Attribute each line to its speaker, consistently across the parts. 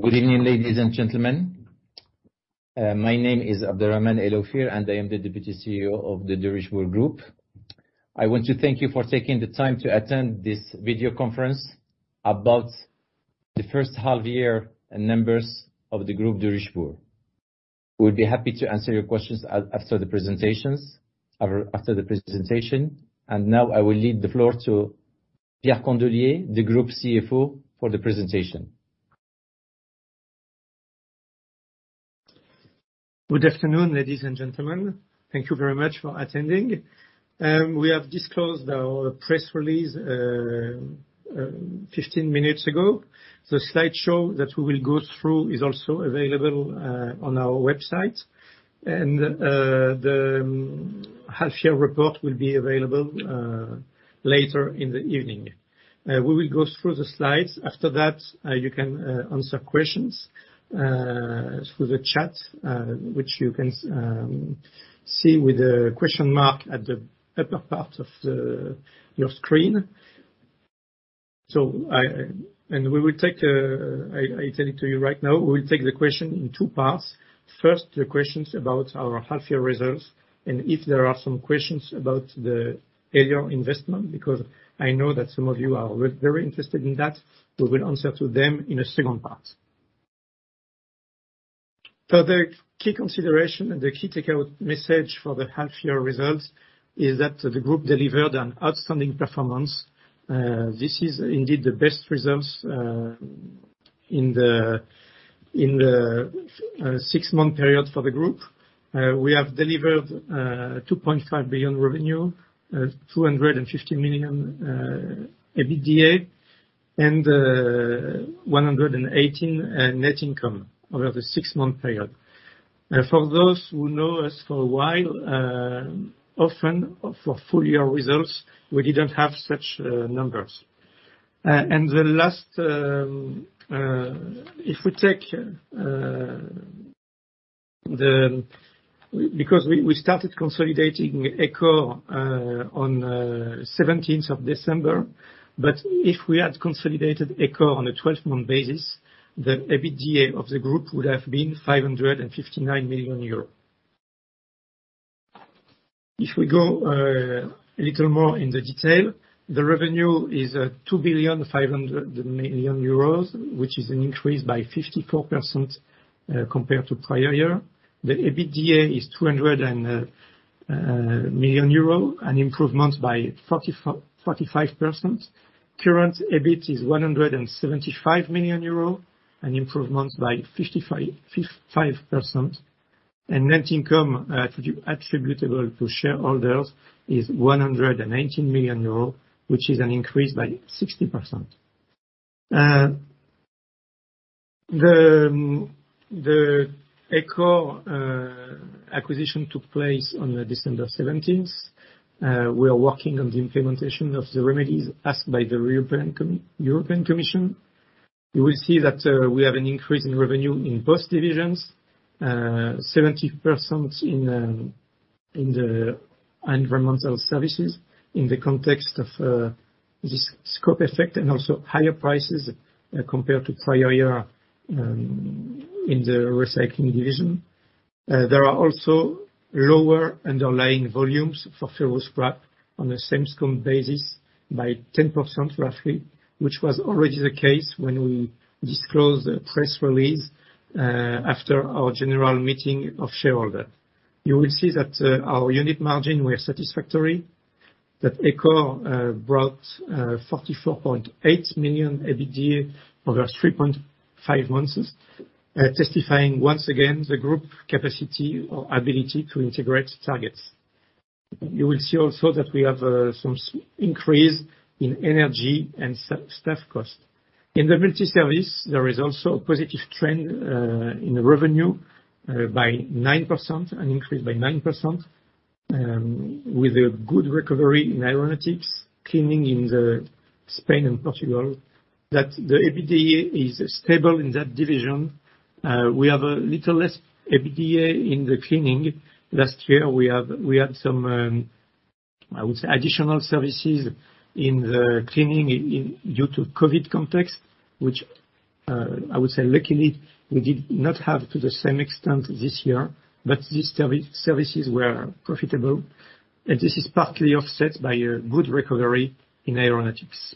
Speaker 1: Good evening, ladies and gentlemen. My name is Abderrahmane Ayadi, and I am the Deputy CEO of the Derichebourg Group. I want to thank you for taking the time to attend this video conference about the first half year and numbers of the Derichebourg Group. We'll be happy to answer your questions after the presentations or after the presentation. Now, I will leave the floor to Pierre Candelier, the Group CFO, for the presentation.
Speaker 2: Good afternoon, ladies and gentlemen. Thank you very much for attending. We have disclosed our press release 15 minutes ago. The slideshow that we will go through is also available on our website. The half-year report will be available later in the evening. We will go through the slides. After that, you can answer questions through the chat, which you can see with a question mark at the upper part of your screen. I and we will take the questions in two parts. First, the questions about our half-year results, and if there are some questions about the earlier investment, because I know that some of you are very interested in that, we will answer to them in a second part. The key consideration and the key takeaway message for the half year results is that the group delivered an outstanding performance. This is indeed the best results in the six-month period for the group. We have delivered 2.5 billion revenue, 250 million EBITDA, and 118 million net income over the six-month period. For those who know us for a while, often for full year results, we didn't have such numbers. Because we started consolidating Ecore on seventeenth of December. If we had consolidated Ecore on a twelve-month basis, the EBITDA of the group would have been 559 million euros. If we go, a little more in the detail, the revenue is 2.5 billion, which is an increase by 54%, compared to prior year. The EBITDA is 200 million euro, an improvement by 45%. Current EBIT is 175 million euro, an improvement by 55%. Net income attributable to shareholders is 118 million euros, which is an increase by 60%. The Ecore acquisition took place on December seventeenth. We are working on the implementation of the remedies asked by the European Commission. You will see that, we have an increase in revenue in both divisions. 70% in the environmental services in the context of this scope effect and also higher prices compared to prior year in the recycling division. There are also lower underlying volumes for ferrous scrap on the same scope basis by roughly 10%, which was already the case when we disclosed the press release after our general meeting of shareholder. You will see that our unit margin were satisfactory, that Ecore brought 44.8 million EBITDA over 3.5 months, testifying once again the group capacity or ability to integrate targets. You will see also that we have some increase in energy and staff cost. In the multi-service, there is also a positive trend in revenue by 9%, an increase by 9%, with a good recovery in aeronautics, cleaning in Spain and Portugal, that the EBITDA is stable in that division. We have a little less EBITDA in the cleaning. Last year, we had some, I would say, additional services in the cleaning due to COVID context, which, I would say luckily, we did not have to the same extent this year. These services were profitable. This is partly offset by a good recovery in aeronautics.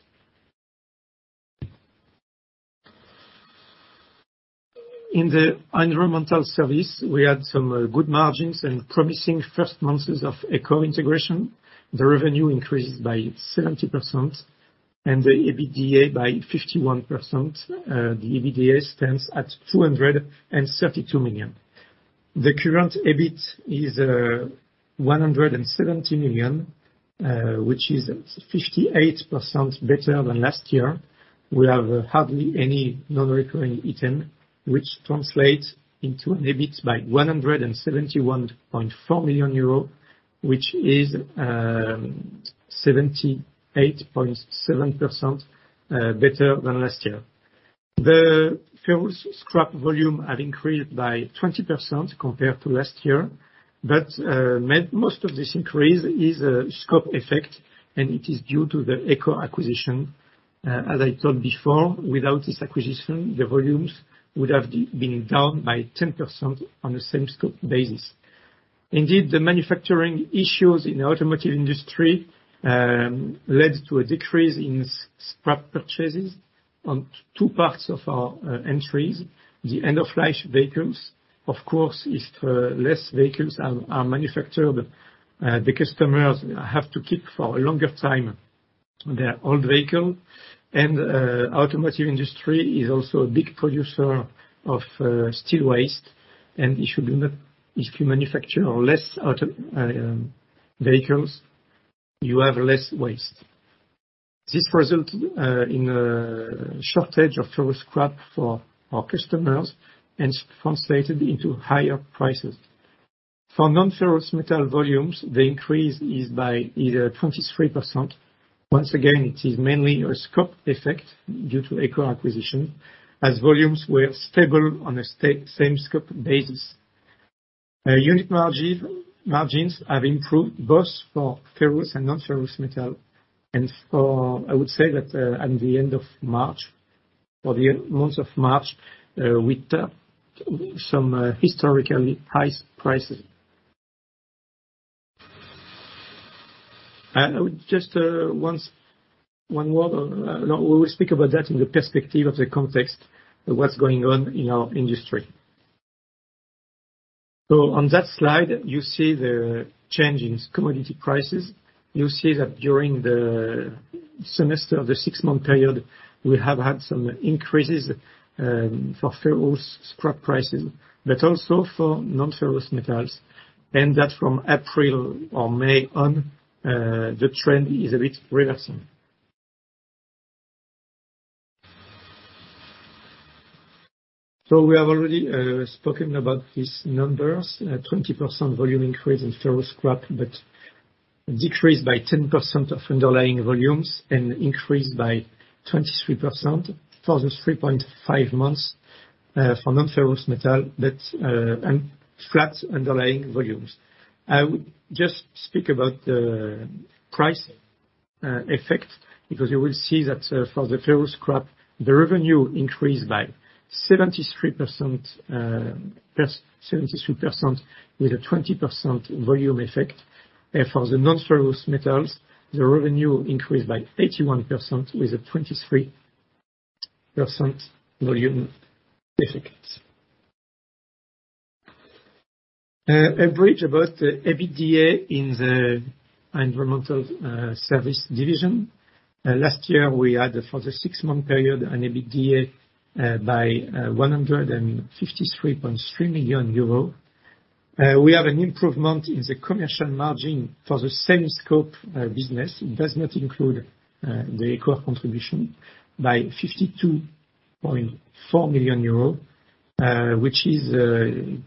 Speaker 2: In the environmental service, we had some good margins and promising first months of Ecore integration. The revenue increased by 70% and the EBITDA by 51%. The EBITDA stands at 232 million. The current EBIT is 170 million, which is 58% better than last year. We have hardly any non-recurring item which translates into an EBIT by 171.4 million euro, which is 78.7% better than last year. The ferrous scrap volume have increased by 20% compared to last year, but most of this increase is a scope effect, and it is due to the Ecore acquisition. As I told before, without this acquisition, the volumes would have been down by 10% on the same scope basis. Indeed, the manufacturing issues in the automotive industry led to a decrease in scrap purchases on two parts of our entries. The end-of-life vehicles, of course, if less vehicles are manufactured, the customers have to keep for a longer time their old vehicle. Automotive industry is also a big producer of steel waste. If you manufacture less auto vehicles, you have less waste. This results in a shortage of ferrous scrap for our customers and translates into higher prices. For non-ferrous metal volumes, the increase is by either 23%. Once again, it is mainly a scope effect due to Ecore acquisition, as volumes were stable on a same scope basis. Our unit margins have improved both for ferrous and non-ferrous metal. I would say that at the end of March, for the month of March, we tapped some historically high prices. We will speak about that in the perspective of the context of what's going on in our industry. On that slide, you see the change in commodity prices. You see that during the semester of the six-month period, we have had some increases for ferrous scrap prices, but also for non-ferrous metals. That from April or May on, the trend is a bit reversing. We have already spoken about these numbers. 20% volume increase in ferrous scrap, but decrease by 10% of underlying volumes, and increased by 23% for the 3.5 months for non-ferrous metal, but flat underlying volumes. I would just speak about the price effect, because you will see that for the ferrous scrap, the revenue increased by 73%, pure 73% with a 20% volume effect. For the non-ferrous metals, the revenue increased by 81% with a 23% volume effect. A bridge about the EBITDA in the environmental service division. Last year, we had for the six-month period an EBITDA of 153.3 million euro. We have an improvement in the commercial margin for the same scope business. It does not include the Ecore contribution of 52.4 million euros, which is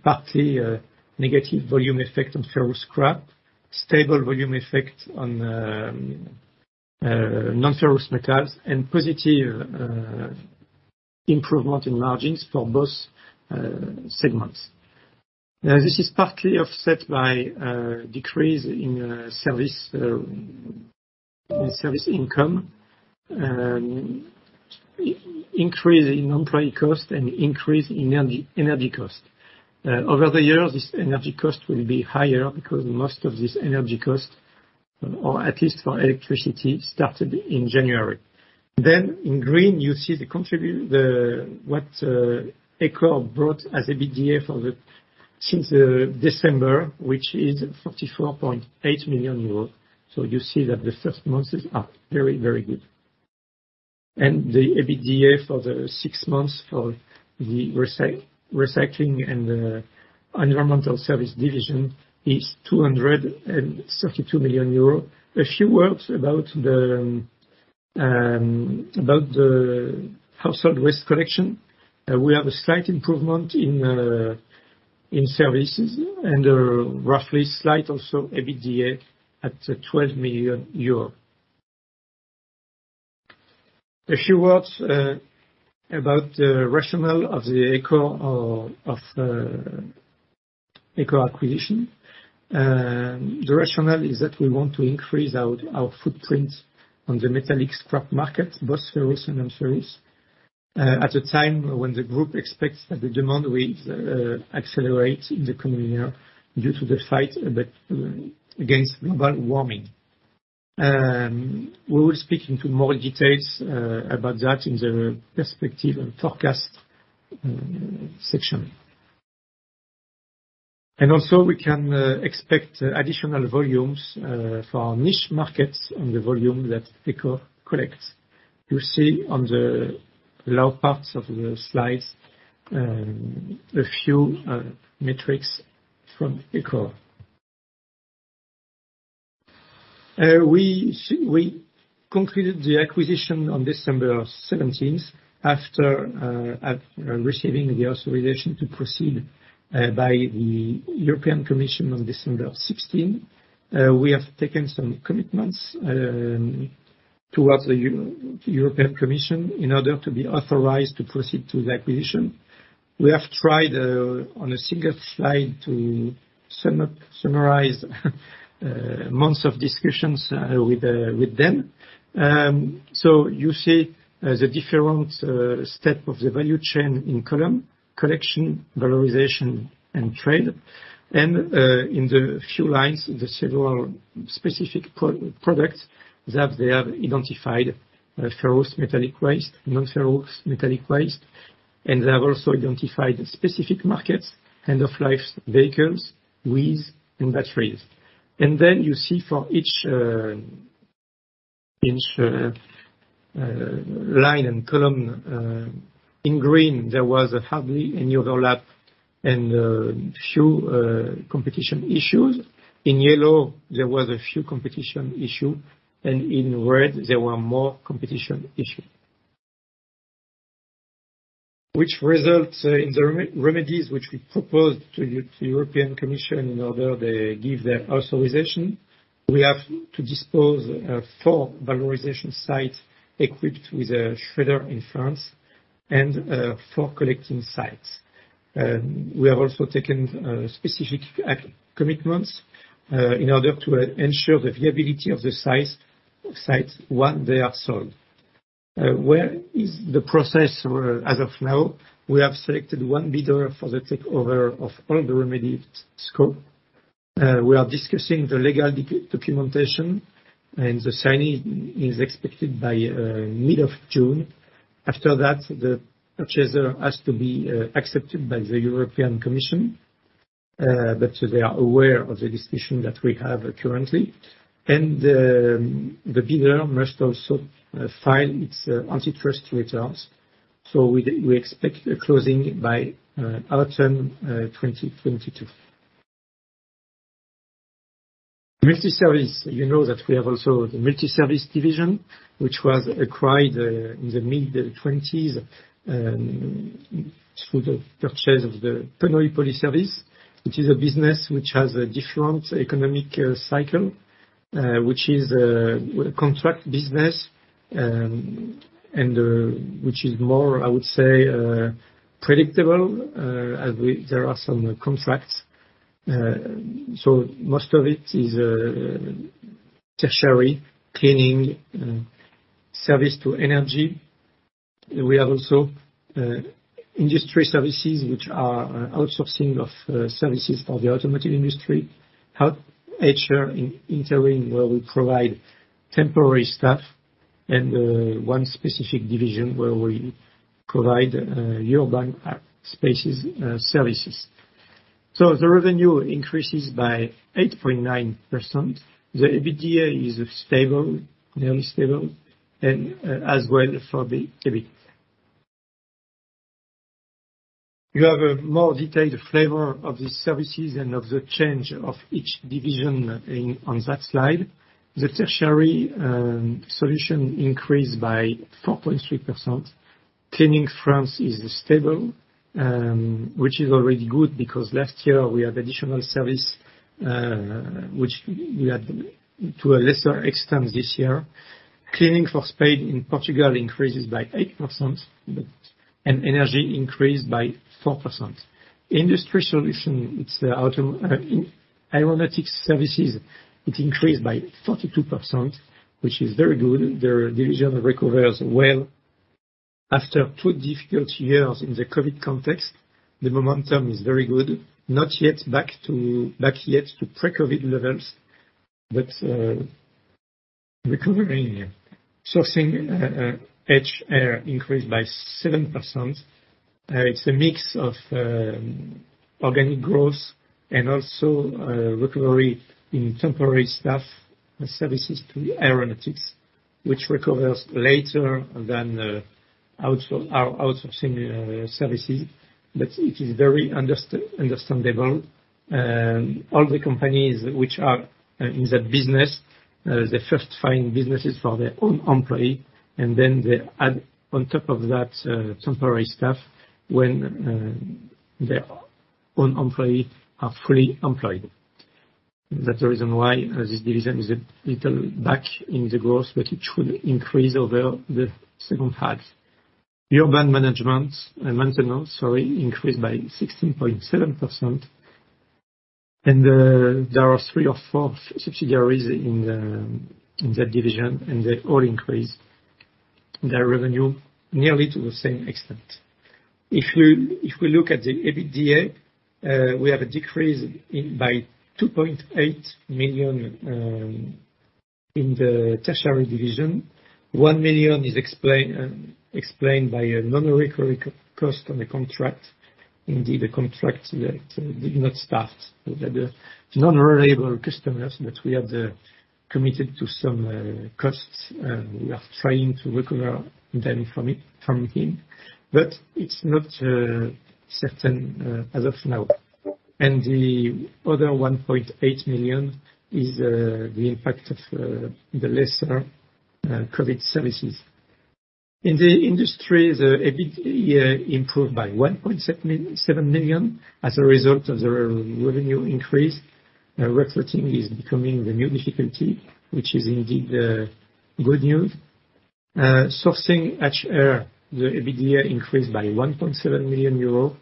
Speaker 2: partly a negative volume effect on ferrous scrap, stable volume effect on non-ferrous metals, and positive improvement in margins for both segments. This is partly offset by a decrease in service income, increase in employee cost and increase in energy cost. Over the years, this energy cost will be higher because most of this energy cost, or at least for electricity, started in January. In green, you see the contribution Ecore brought as EBITDA since December, which is 44.8 million euros. You see that the first months are very good. The EBITDA for the 6 months for the recycling and the environmental service division is 232 million euro. A few words about the household waste collection. We have a slight improvement in services and a roughly slight also EBITDA at 12 million EUR. A few words about the rationale of the Ecore acquisition. The rationale is that we want to increase our footprint on the metallic scrap market, both ferrous and non-ferrous, at a time when the group expects that the demand will accelerate in the coming year due to the fight against global warming. We will go into more details about that in the perspective and forecast section. We can expect additional volumes for our niche markets and the volume that Ecore collects. You see on the lower parts of the slides a few metrics from Ecore. We concluded the acquisition on December 17, after receiving the authorization to proceed by the European Commission on December 16. We have taken some commitments towards the European Commission in order to be authorized to proceed to the acquisition. We have tried on a single slide to summarize months of discussions with them. You see the different steps of the value chain in columns, collection, valorization, and trade. In the few lines, the several specific products that they have identified, ferrous metallic waste, non-ferrous metallic waste, and they have also identified specific markets, end-of-life vehicles, WEEE, and batteries. You see for each line and column, in green, there was hardly any overlap and few competition issues. In yellow, there was a few competition issues, and in red, there were more competition issues. Which results in the remedies which we proposed to the European Commission in order they give their authorization. We have to dispose of four valorization sites equipped with a shredder in France, and four collecting sites. We have also taken specific commitments in order to ensure the viability of the site, sites once they are sold. Where is the process as of now? We have selected one bidder for the takeover of all the remedy scope. We are discussing the legal documentation, and the signing is expected by mid-June. After that, the purchaser has to be accepted by the European Commission, but they are aware of the discussion that we have currently. The bidder must also file its antitrust returns. We expect a closing by autumn 2022. Multi-service. You know that we have also the multi-service division, which was acquired in the mid-twenties through the purchase of the Penauille Polyservices service, which is a business which has a different economic cycle, which is contract business, and which is more, I would say, predictable, as there are some contracts. Most of it is tertiary, cleaning, service to energy. We have also industry services, which are outsourcing of services for the automotive industry. HR in interim, where we provide temporary staff, and one specific division where we provide urban spaces services. The revenue increases by 8.9%. The EBITDA is stable, nearly stable, and as well for the EBIT. You have a more detailed flavor of the services and of the change of each division on that slide. The tertiary solution increased by 4.3%. Cleaning France is stable, which is already good because last year we had additional service, which we had to a lesser extent this year. Cleaning for Spain and Portugal increases by 8%, but energy increased by 4%. Industry solution, it's in aeronautics services, it increased by 42%, which is very good. The division recovers well after two difficult years in the COVID context. The momentum is very good. Not yet back to pre-COVID levels, but recovering. Sourcing HR increased by 7%. It's a mix of organic growth and also recovery in temporary staff services to the aeronautics, which recovers later than outsourcing services. It is very understandable. All the companies which are in the business, they first find businesses for their own employees, and then they add on top of that temporary staff when their own employees are fully employed. That's the reason why this division is a little back in the growth, but it should increase over the second half. Urban maintenance increased by 16.7%. There are three or four subsidiaries in that division, and they all increase their revenue nearly to the same extent. If we look at the EBITDA, we have a decrease by 2.8 million in the tertiary division. 1 million is explained by a non-recurring cost on the contract. Indeed, a contract that did not start. The unreliable customers that we had committed to some costs, and we are trying to recover them from him. But it's not certain as of now. The other 1.8 million is the impact of the lesser COVID services. In the industry, the EBITDA improved by 1.77 million as a result of the revenue increase. Recruiting is becoming the new difficulty, which is indeed good news. Sourcing HR, the EBITDA increased by 1.7 million euro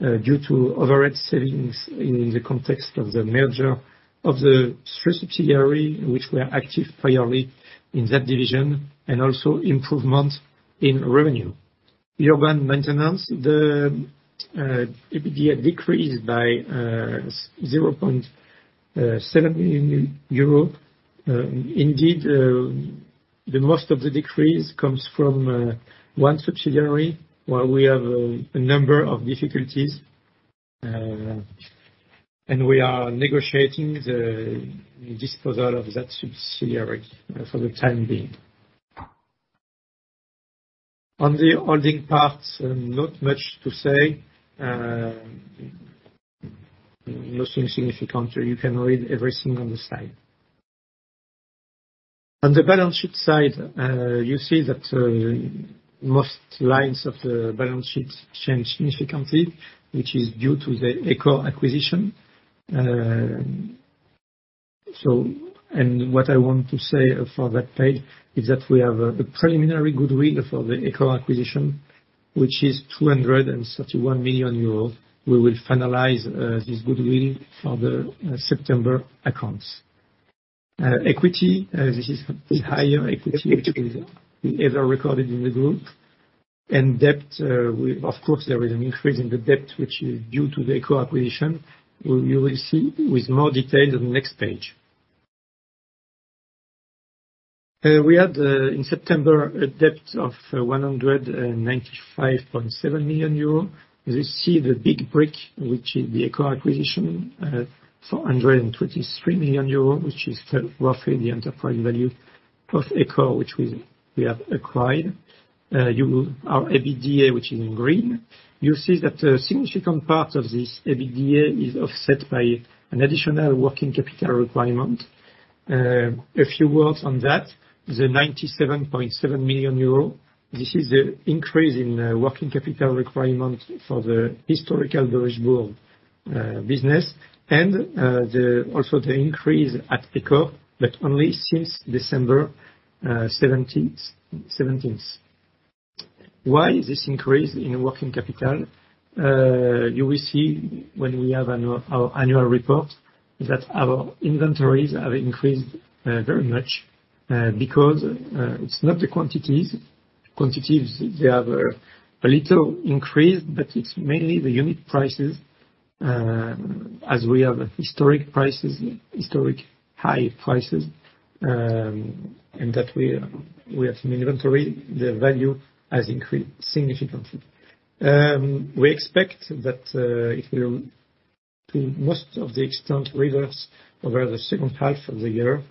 Speaker 2: due to overhead savings in the context of the merger of the three subsidiaries which were active previously in that division, and also improvement in revenue. Urban maintenance, EBITDA decreased by EUR 0.7. Indeed, most of the decrease comes from one subsidiary where we have a number of difficulties. We are negotiating the disposal of that subsidiary for the time being. On the holding parts, not much to say. Nothing significant. You can read everything on the side. On the balance sheet side, you see that most lines of the balance sheet change significantly, which is due to the Ecore acquisition. What I want to say for that page is that we have a preliminary goodwill for the Ecore acquisition, which is 231 million euros. We will finalize this goodwill for the September accounts. Equity, this is the highest equity which we've ever recorded in the group. Debt, of course there is an increase in the debt, which is due to the Ecore acquisition. You will see with more detail on the next page. We had, in September, a debt of 195.7 million euro. You see the big brick, which is the Ecore acquisition, 423 million euro, which is roughly the enterprise value of Ecore which we have acquired. Our EBITDA, which is in green, you see that a significant part of this EBITDA is offset by an additional working capital requirement. A few words on that. The 97.7 million euro, this is the increase in working capital requirement for the historical Derichebourg business and also the increase at Ecore, but only since December seventeenth. Why this increase in working capital? You will see when we have our annual report, that our inventories have increased very much, because it's not the quantities. Quantities they have a little increase, but it's mainly the unit prices. As we have historic prices, historic high prices, and that we have some inventory, the value has increased significantly. We expect that it will to most of the extent reverse over the second half of the year,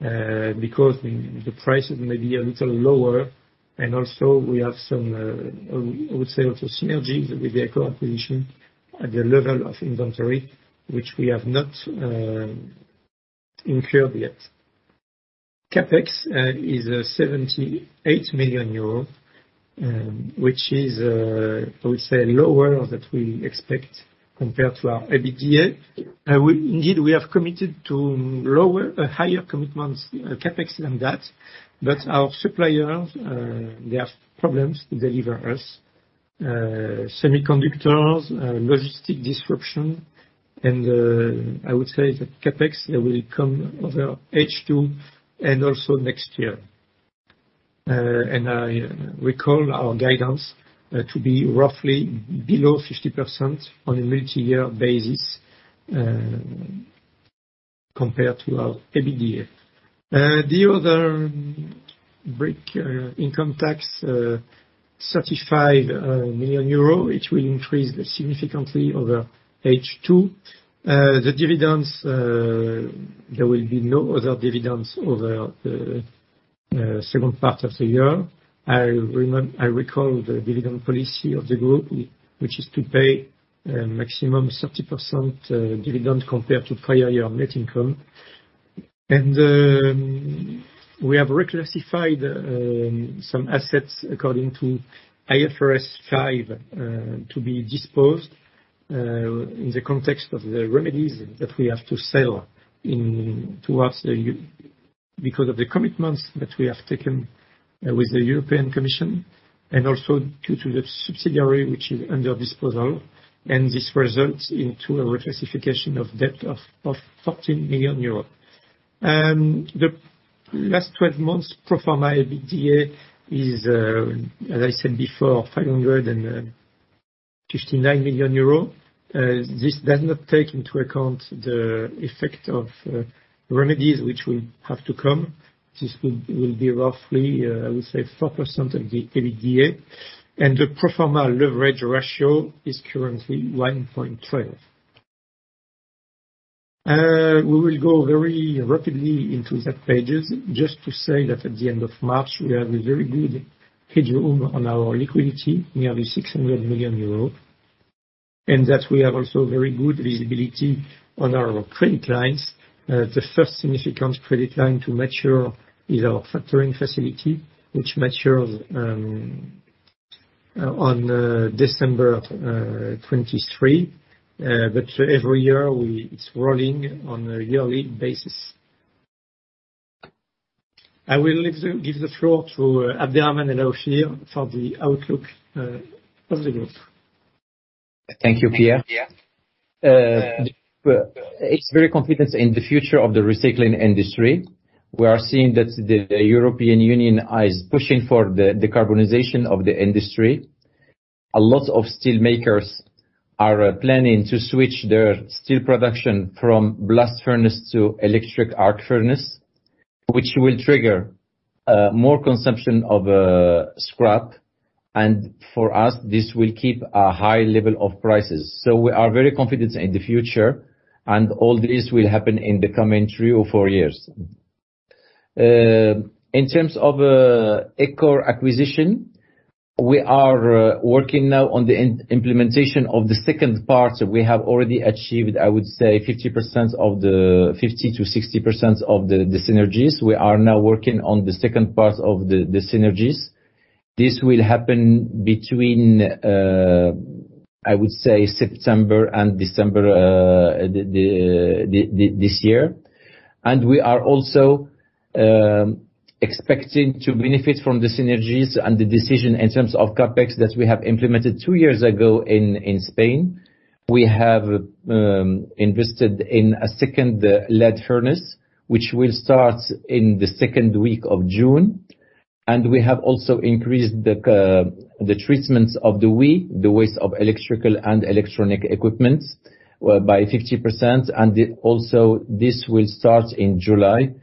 Speaker 2: because the prices may be a little lower. Also we have some, I would say also synergies with the Ecore acquisition at the level of inventory, which we have not incurred yet. CapEx is 78 million euros, which is, I would say lower than we expect compared to our EBITDA. Indeed, we have committed to a higher commitments CapEx than that. Our suppliers, they have problems to deliver us semiconductors, logistic disruption. I would say the CapEx will come over H2 and also next year. I recall our guidance to be roughly below 50% on a multi-year basis compared to our EBITDA. The other big, income tax, 35 million euro, which will increase significantly over H2. The dividends, there will be no other dividends over the second part of the year. I recall the dividend policy of the group, which is to pay a maximum 30% dividend compared to prior year net income. We have reclassified some assets according to IFRS 5 to be disposed in the context of the remedies that we have to sell into the EU because of the commitments that we have taken with the European Commission, and also due to the subsidiary which is under disposal. This results into a reclassification of debt of 14 million euros. The last 12 months pro forma EBITDA is, as I said before, 559 million euro. This does not take into account the effect of remedies which will have to come. This will be roughly, I would say 4% of the EBITDA. The pro forma leverage ratio is currently 1.12. We will go very rapidly into those pages just to say that at the end of March we have a very good headroom on our liquidity, nearly 600 million euros. We have also very good visibility on our credit lines. The first significant credit line to mature is our factoring facility, which matures on December 2023. Every year it's rolling on a yearly basis. I will give the floor to Abderrahmane Ayadi for the outlook of the group.
Speaker 1: Thank you, Pierre. We're very confident in the future of the recycling industry. We are seeing that the European Union is pushing for the decarbonization of the industry. A lot of steel makers are planning to switch their steel production from blast furnace to electric arc furnace, which will trigger more consumption of scrap. For us, this will keep a high level of prices. We are very confident in the future, and all this will happen in the coming three or four years. In terms of Ecore acquisition, we are working now on the implementation of the second part. We have already achieved, I would say 50%-60% of the synergies. We are now working on the second part of the synergies. This will happen between, I would say September and December, this year. We are also expecting to benefit from the synergies and the decision in terms of CapEx that we have implemented two years ago in Spain. We have invested in a second lead furnace, which will start in the second week of June. We have also increased the treatments of the WEEE, the Waste Electrical and Electronic Equipment, by 50%. This will start in July.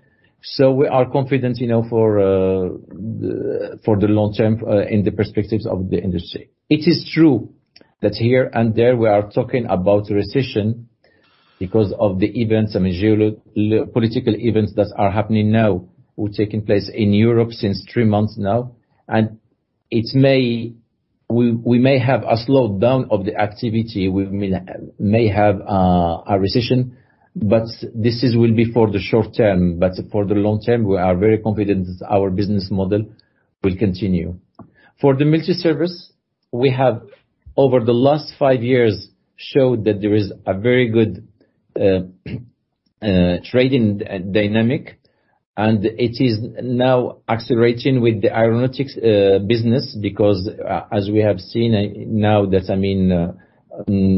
Speaker 1: We are confident, you know, for the long term, in the perspectives of the industry. It is true that here and there we are talking about recession because of the events, I mean geopolitical events that are happening now or taking place in Europe since 3 months now. We may have a slowdown of the activity. We may have a recession, but this will be for the short term. For the long term, we are very confident our business model will continue. For the multi-service we have over the last five years shown that there is a very good trading dynamic, and it is now accelerating with the aeronautics business, because as we have seen now that, I mean,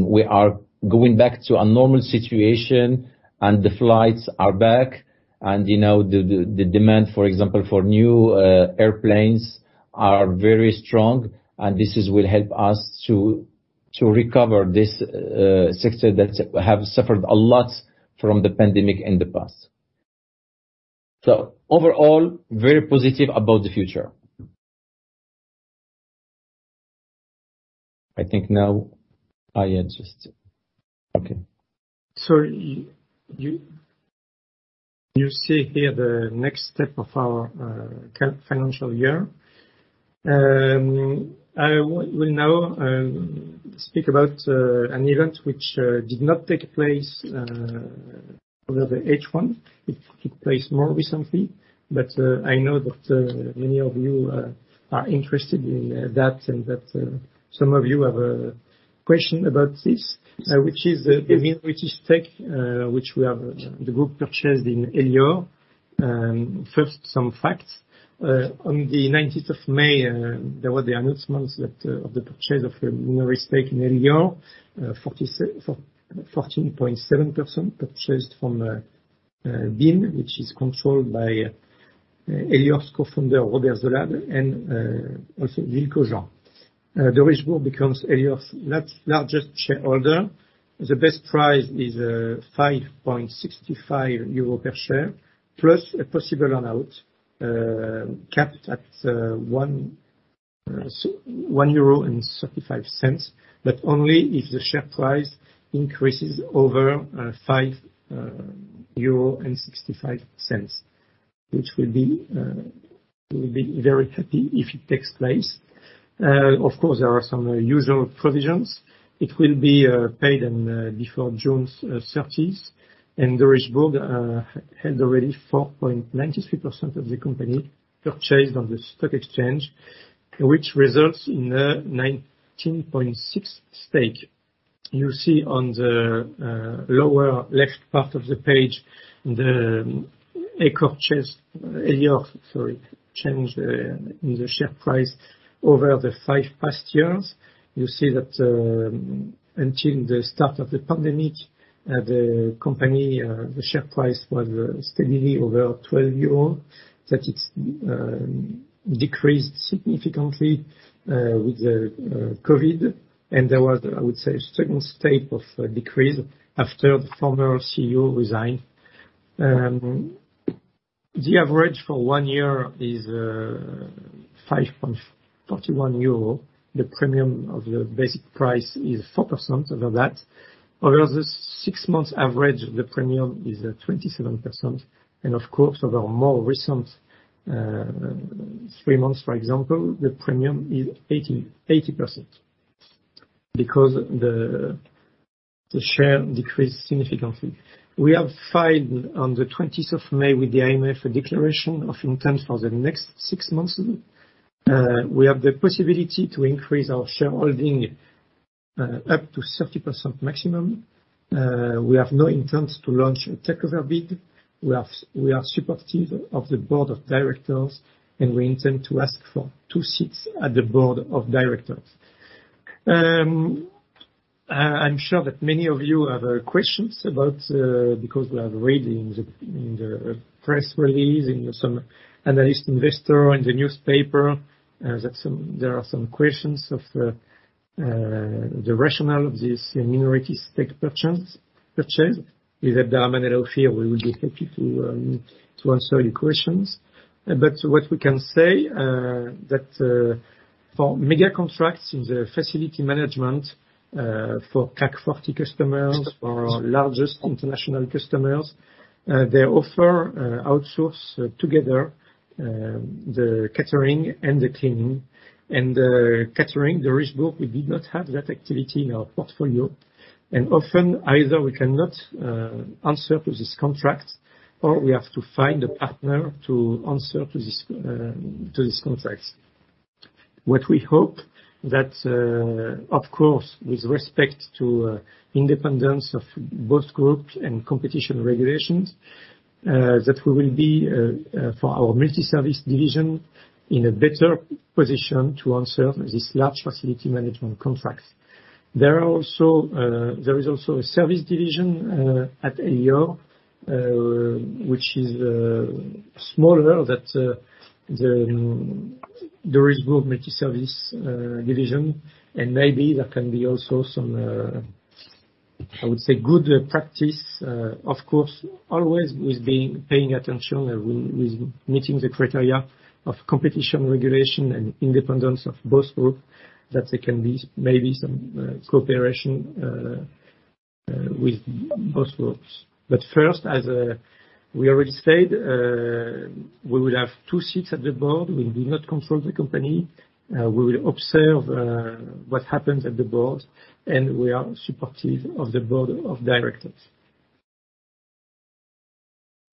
Speaker 1: we are going back to a normal situation and the flights are back and, you know, the demand, for example, for new airplanes is very strong and this will help us to recover this sector that has suffered a lot from the pandemic in the past. Overall, very positive about the future. I think now I adjust. Okay.
Speaker 2: You see here the next step of our fiscal year. I will now speak about an event which did not take place over the H1. It took place more recently, but I know that many of you are interested in that, and that some of you have a question about this, which is the minority stake which the group purchased in Elior. First, some facts. On the nineteenth of May, there were the announcements of the purchase of a minority stake in Elior, 44.7% purchased from BIM, which is controlled by Elior's co-founder, Robert Zolade, and also Gilles Cojan. Derichebourg becomes Elior's largest shareholder. The best price is 5.65 euro per share, plus a possible earn-out capped at 1.35 euro, but only if the share price increases over 5.65 euro, which will be very happy if it takes place. Of course, there are some usual provisions. It will be paid in before June 30. Derichebourg held already 4.93% of the company purchased on the stock exchange, which results in a 19.6% stake. You see on the lower left part of the page, the Elior change in the share price over the past five years. You see that until the start of the pandemic the company the share price was steadily over 12 euro, that it's decreased significantly with COVID. There was, I would say, a second state of decrease after the former CEO resigned. The average for 1 year is 5.41 euro. The premium of the basic price is 4% over that. Over the 6 months average, the premium is at 27%. Of course, over more recent 3 months for example, the premium is 80% because the share decreased significantly. We have filed on the 20th of May with the AMF a declaration of intent for the next 6 months. We have the possibility to increase our shareholding up to 30% maximum. We have no intent to launch a takeover bid. We are supportive of the board of directors, and we intend to ask for two seats at the board of directors. I'm sure that many of you have questions because we have read in the press release, in some analyst investor, in the newspaper, that there are some questions of the rationale of this minority stake purchase. With Abderrahmane Aoufir, we will be happy to answer your questions. What we can say for mega contracts in the facility management for CAC 40 customers or largest international customers, they often outsource together the catering and the cleaning. Catering, the risk book, we did not have that activity in our portfolio. Often, either we cannot answer to this contract, or we have to find a partner to answer to this contract. What we hope that, of course, with respect to independence of both groups and competition regulations, that we will be for our multi-service division in a better position to answer this large facility management contracts. There is also a service division at Elior, which is smaller than the Derichebourg multi-service division. Maybe there can be also some, I would say, good practice, of course, always paying attention with meeting the criteria of competition regulation and independence of both group, that there can be maybe some cooperation with both groups. First, as we already said, we will have two seats at the board. We do not control the company. We will observe what happens at the board, and we are supportive of the board of directors.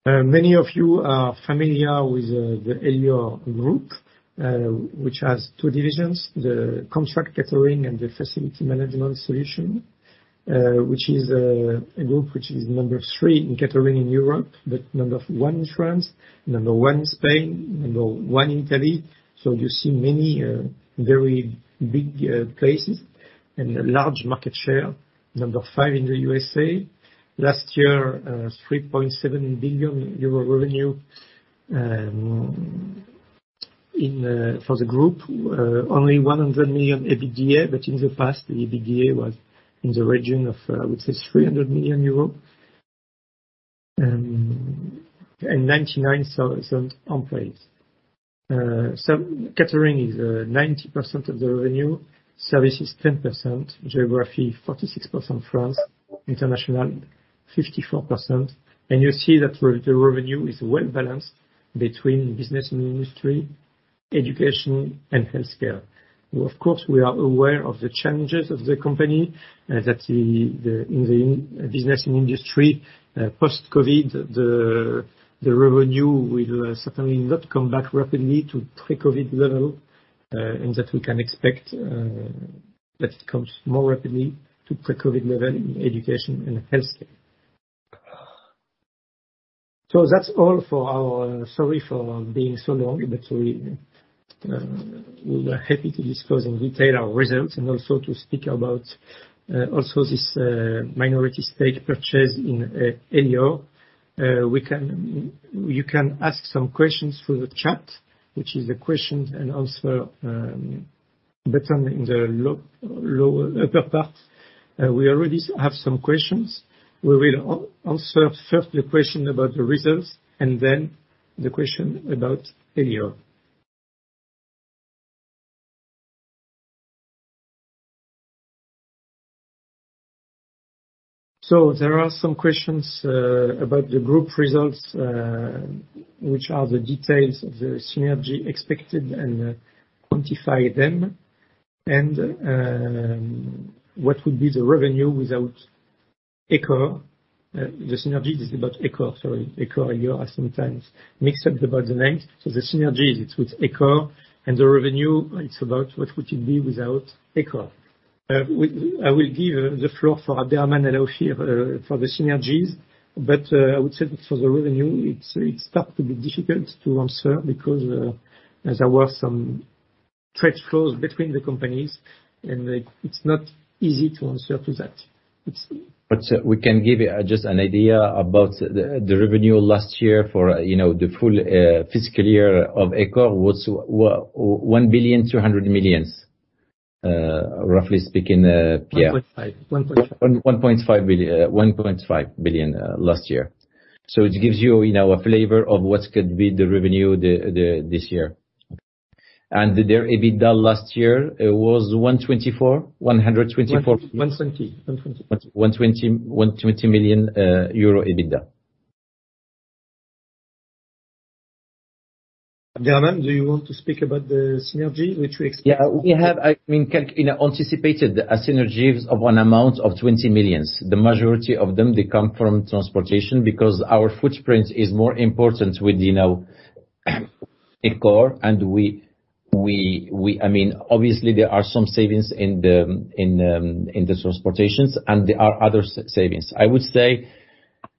Speaker 2: Many of you are familiar with the Elior Group, which has two divisions, the contract catering and the facility management solution, which is a group which is number three in catering in Europe, but number one in France, number one in Spain, number one in Italy. You see many very big places and a large market share, number five in the USA. Last year, 3.7 billion euro revenue in for the group. Only 100 million EBITDA, but in the past, the EBITDA was in the region of, I would say, 300 million euro. 99,000 employees. Catering is 90% of the revenue. Service is 10%. Geography, 46% France. International, 54%. You see that the revenue is well-balanced between business and industry, education and healthcare. Of course, we are aware of the challenges of the company that the in the business and industry post-COVID the revenue will certainly not come back rapidly to pre-COVID level and that we can expect that it comes more rapidly to pre-COVID level in education and healthcare. That's all for our. Sorry for being so long, but we were happy to discuss in detail our results and also to speak about also this minority stake purchase in Elior. We can. You can ask some questions through the chat, which is the question and answer button in the low upper part. We already have some questions. We will answer first the question about the results and then the question about Elior. There are some questions about the group results, which are the details of the synergy expected and quantify them. What would be the revenue without Ecore. The synergies is about Ecore, sorry. Ecore, Elior, I sometimes mix up about the names. The synergies, it's with Ecore. The revenue, it's about what would it be without Ecore. I will give the floor for Abderrahmane El Aoufir for the synergies. I would say for the revenue, it starts to be difficult to answer because as there were some trade flows between the companies, and like it's not easy to answer to that.
Speaker 3: We can give just an idea about the revenue last year for, you know, the full fiscal year of Ecore was 1.2 billion. Roughly speaking, Pierre-
Speaker 2: One point five. One point five.
Speaker 3: 1.5 billion last year. It gives you know, a flavor of what could be the revenue this year. Okay. Their EBITDA last year was 124.
Speaker 2: 120.
Speaker 3: 120 million euro EBITDA.
Speaker 2: Jérôme, do you want to speak about the synergy which we explained?
Speaker 4: We have, I mean, you know, anticipated synergies of an amount of 20 million. The majority of them come from transportation because our footprint is more important with, you know, Ecore and we, I mean, obviously there are some savings in the, in the transportation and there are other savings. I would say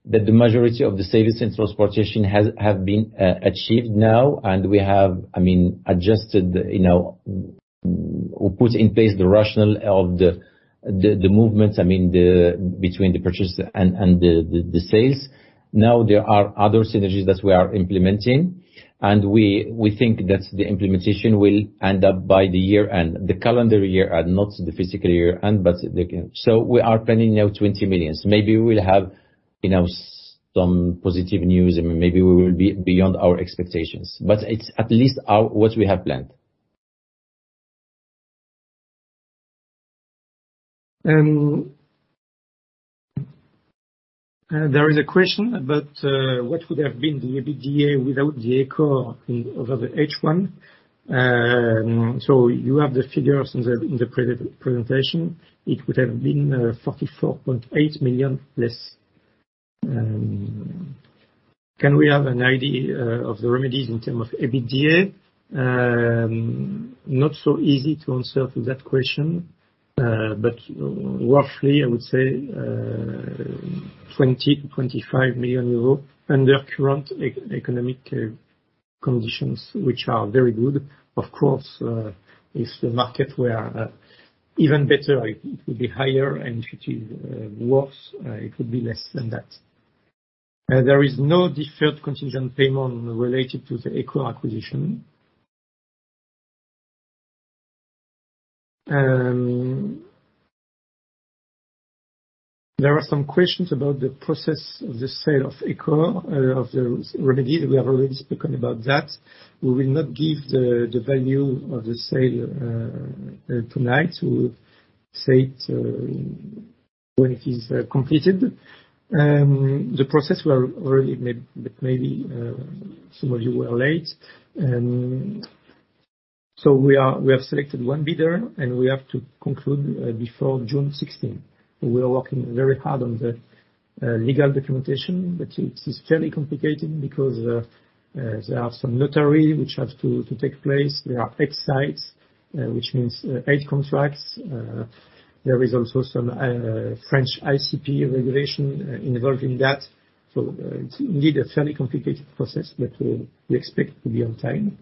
Speaker 4: that the majority of the savings in transportation have been achieved now, and we have, I mean, adjusted, you know, put in place the rationale of the movements, I mean, between the purchase and the sales. Now there are other synergies that we are implementing, and we think that the implementation will end up by the year-end. The calendar year and not the fiscal year-end. We are planning now 20 million. Maybe we'll have, you know, some positive news, and maybe we will be beyond our expectations. It's at least our, what we have planned.
Speaker 2: There is a question about what would have been the EBITDA without the Ecore over the H1. So you have the figures in the presentation. It would have been 44.8 million less. Can we have an idea of the remedies in terms of EBITDA? Not so easy to answer to that question, but roughly I would say 20-25 million euro under current economic conditions, which are very good. Of course, if the market were even better, it would be higher and if it is worse, it would be less than that. There is no deferred contingent payment related to the Ecore acquisition. There are some questions about the process of the sale of Ecore, of the remedy. We have already spoken about that. We will not give the value of the sale tonight. We'll say it when it is completed. Some of you were late. We have selected one bidder, and we have to conclude before June sixteenth. We are working very hard on the legal documentation, but it's fairly complicated because there are some notary which have to take place. There are eight sites, which means eight contracts. There is also some French ICPE regulation involving that. It's indeed a fairly complicated process, but we expect to be on time.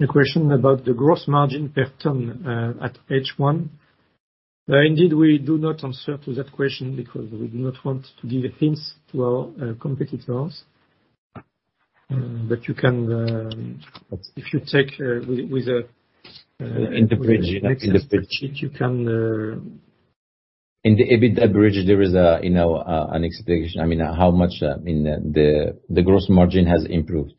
Speaker 2: The question about the gross margin per ton at H one. Indeed, we do not answer to that question because we do not want to give a hint to our competitors. You can, if you take, with the
Speaker 1: In the bridge.
Speaker 2: With Excel spreadsheet you can.
Speaker 1: In the EBITDA bridge there is a, you know, an explanation. I mean how much, in the gross margin has improved.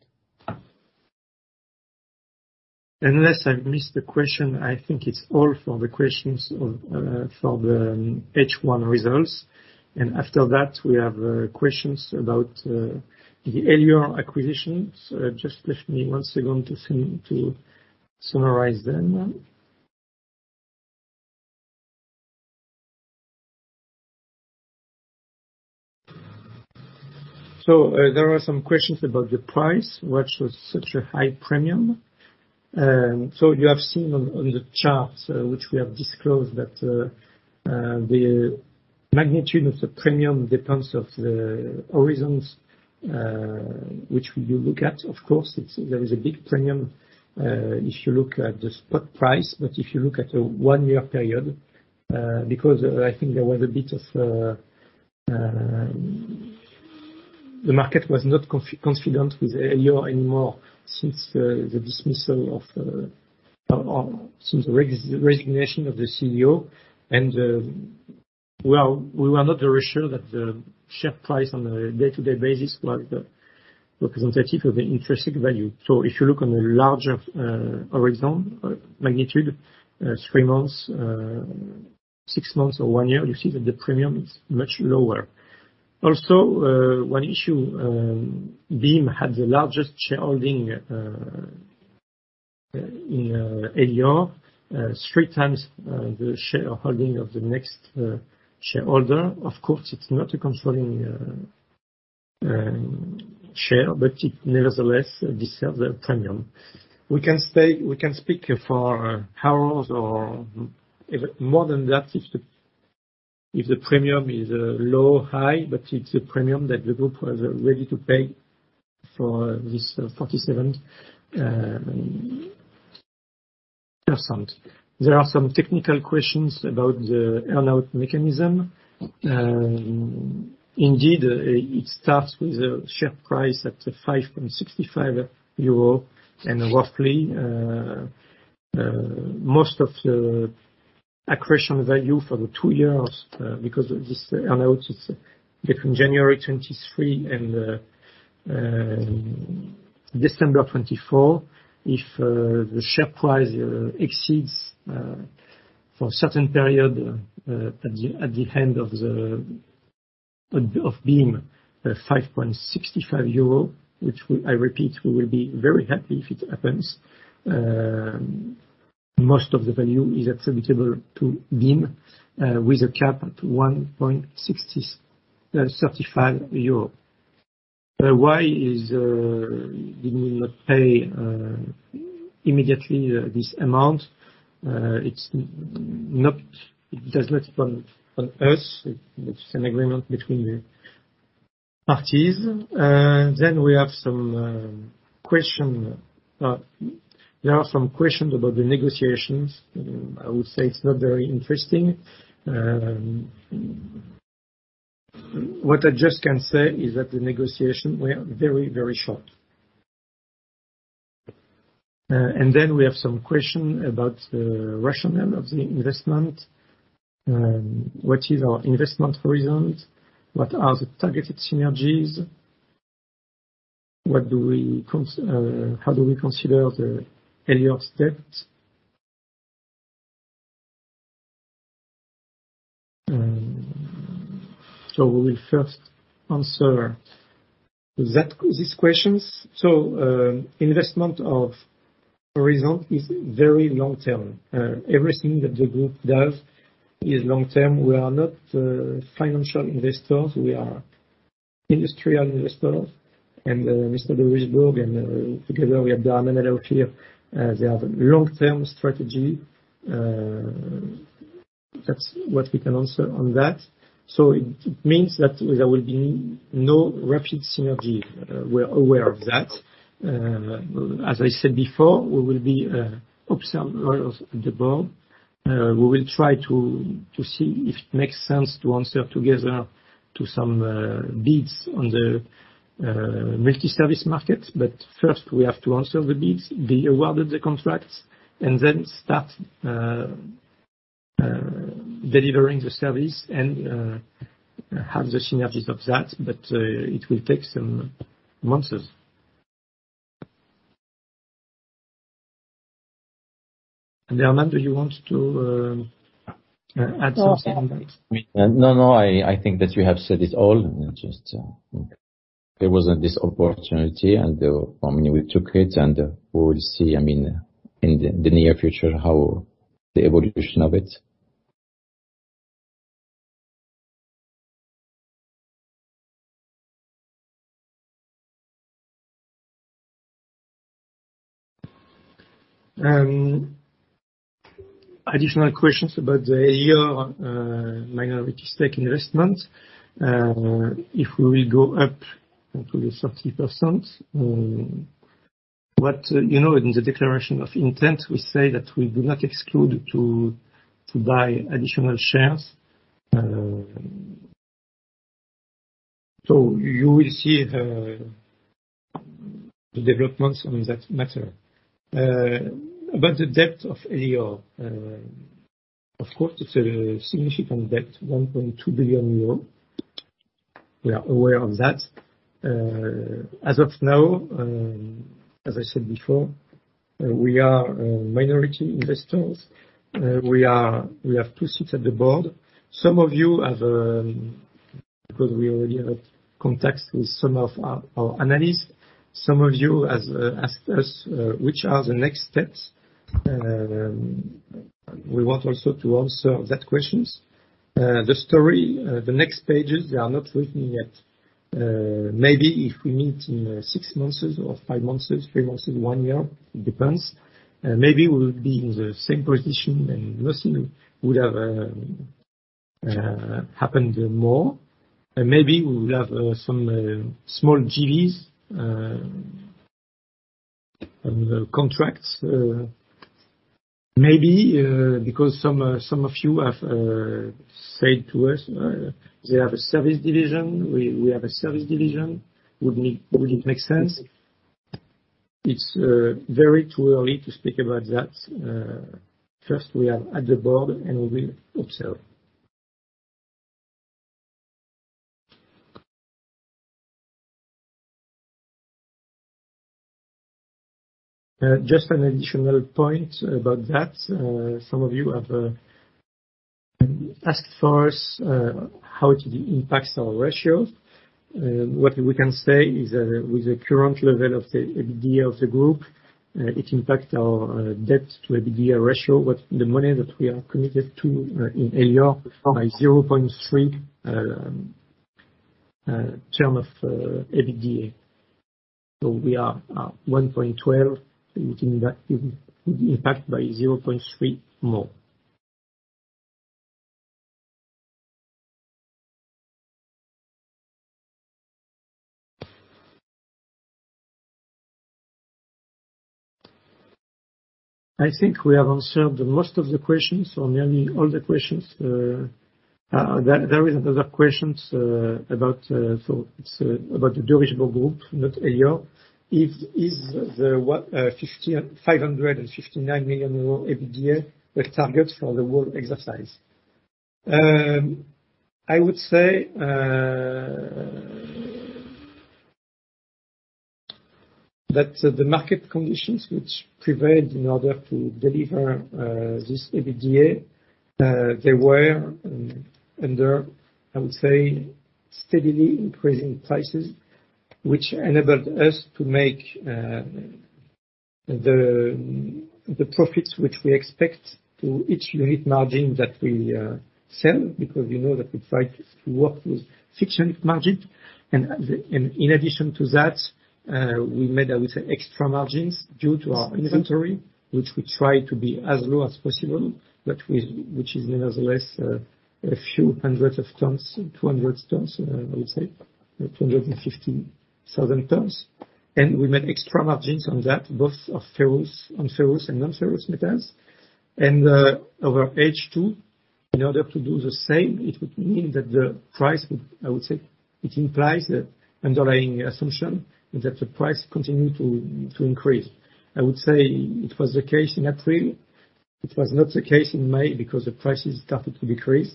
Speaker 2: Unless I've missed the question, I think it's all for the questions of for the H1 results. After that, we have questions about the Elior acquisitions. Just let me one second to summarize them. There are some questions about the price. Why it was such a high premium? You have seen on the charts which we have disclosed that the magnitude of the premium depends on the horizons which you look at, of course. There is a big premium if you look at the spot price. But if you look at a one-year period because I think the market was not confident with Elior anymore since the dismissal, or since the resignation of the CEO. Well, we were not very sure that the share price on a day-to-day basis was representative of the intrinsic value. If you look on a larger horizon magnitude, three months, six months or one year, you see that the premium is much lower. Also, one issue, BIM had the largest shareholding in Elior. Three times the shareholding of the next shareholder. Of course, it's not a controlling share, but it nevertheless deserves a premium. We can say. We can speak for hours or even more than that if the premium is low, high, but it's a premium that the group was ready to pay for this 47. There are some technical questions about the earn-out mechanism. Indeed, it starts with a share price at 5.65 euro. Roughly, most of the accretion value for the two years, because of this amount, is between January 2023 and December 2024. If the share price exceeds for a certain period at the end of BIM, 5.65 euro, which I repeat, we will be very happy if it happens. Most of the value is attributable to BIM, with a cap at 1.6035 euro. Why is BIM not pay immediately this amount? It does not depend on us. It's an agreement between the parties. Then we have some question, there are some questions about the negotiations. I would say it's not very interesting. What I just can say is that the negotiations were very, very short. Then we have some questions about the rationale of the investment. What is our investment horizon? What are the targeted synergies? How do we consider the earlier steps? We will first answer these questions. Investment horizon is very long-term. Everything that the group does is long-term. We are not financial investors. We are industrial investors. Mr. Daniel Derichebourg, together with Armand Derichebourg and Alfio, they have a long-term strategy. That's what we can answer on that. It means that there will be no rapid synergy. We're aware of that. As I said before, we will be observers at the board. We will try to see if it makes sense to answer together to some bids on the multi-service market. First, we have to answer the bids, be awarded the contracts, and then start delivering the service and have the synergies of that. It will take some months. Armand, do you want to add something?
Speaker 5: No, I think that you have said it all. Just, there was this opportunity and, I mean, we took it, and we will see, I mean, in the near future how the evolution of it.
Speaker 2: Additional questions about the earlier minority stake investment. If we will go up to the 30%. What, you know, in the declaration of intent, we say that we do not exclude to buy additional shares. You will see the developments on that matter. About the debt of Elior, of course, it's a significant debt, 1.2 billion euro. We are aware of that. As of now, as I said before, we are minority investors. We have two seats at the board. Some of you have, because we already have contacts with some of our analysts. Some of you has asked us, which are the next steps. We want also to answer that questions. The story, the next pages, they are not written yet. Maybe if we meet in six months or five months, three months, one year, it depends. Maybe we'll be in the same position and nothing would have happened more. Maybe we would have some small JVs on the contracts. Maybe because some of you have said to us they have a service division. We have a service division. Would it make sense? It's very too early to speak about that. First we are at the board, and we will observe. Just an additional point about that. Some of you have asked for us how it impacts our ratio. What we can say is that with the current level of the EBITDA of the group, it impacts our debt to EBITDA ratio with the money that we are committed to in Elior by 0.3 times EBITDA. We are at 1.12. It would impact by 0.3 more. I think we have answered the most of the questions or nearly all the questions. There is another questions about, so it's about the Derichebourg group, not AO. Is the 559 million euro EBITDA the target for the whole exercise? I would say that the market conditions which prevailed in order to deliver this EBITDA, they were under, I would say, steadily increasing prices, which enabled us to make the profits which we expect to each unit margin that we sell. Because we know that we try to work with fixed unit margin. In addition to that, we made, I would say, extra margins due to our inventory, which we try to be as low as possible, but which is nevertheless a few hundred tons, 200 tons, I would say, 250,000 tons. We made extra margins on that, both on ferrous and non-ferrous metals. Over H2, in order to do the same, it would mean that the price would. I would say it implies the underlying assumption is that the price continue to increase. I would say it was the case in April. It was not the case in May because the prices started to decrease.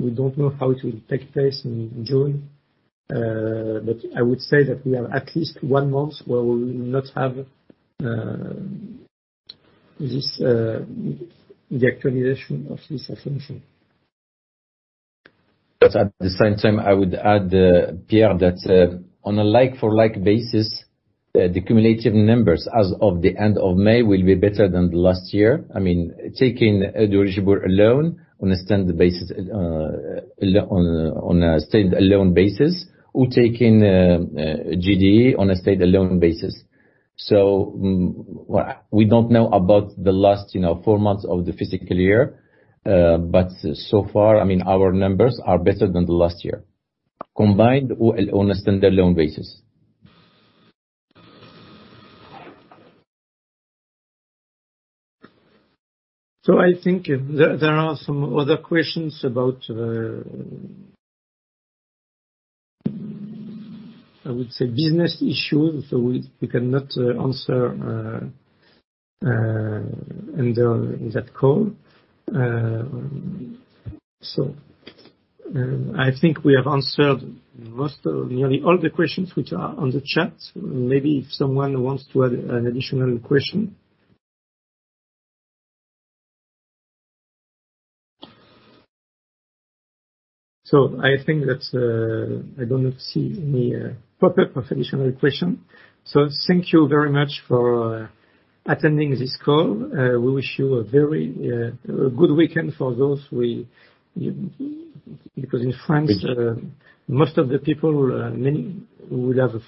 Speaker 2: We don't know how it will take place in June, but I would say that we have at least one month where we will not have this, the actualization of this assumption.
Speaker 3: At the same time, I would add, Pierre, that on a like-for-like basis, the cumulative numbers as of the end of May will be better than the last year. I mean, taking Derichebourg alone on a stand-alone basis or taking GDE on a stand-alone basis. We don't know about the last, you know, four months of the fiscal year, but so far, I mean, our numbers are better than the last year, combined or on a stand-alone basis.
Speaker 2: I think there are some other questions about, I would say, business issues, so we cannot answer them in this call. I think we have answered most of nearly all the questions which are on the chat. Maybe if someone wants to add an additional question. I think that I don't see any pop-up of additional question. Thank you very much for attending this call. We wish you a very good weekend because in France, most of the people, many will have a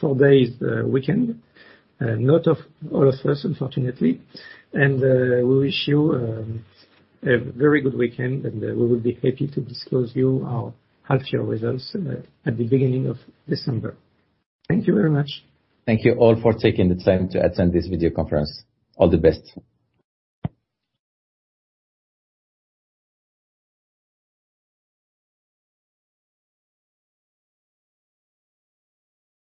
Speaker 2: four-day weekend. Not all of us, unfortunately. We wish you a very good weekend, and we will be happy to disclose to you our half-year results at the beginning of December. Thank you very much.
Speaker 1: Thank you all for taking the time to attend this video conference. All the best.